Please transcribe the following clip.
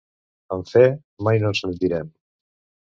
Amb fe, mai no ens rendirem.